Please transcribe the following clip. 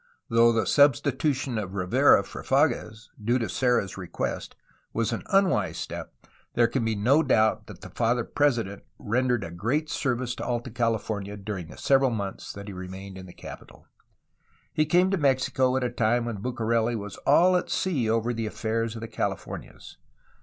Though the substitution of Rivera for Fages, due to Serra's request, was an unwise step, there can be no doubt that the Father BUCARELI'S ATTENTION TO LOCAL PROBLEMS 289 President rendered a great service to Alta California during the several months that he remained in the capital. He came to Mexico at a time when Bucareli was all at sea over the affairs of the Cahfornias.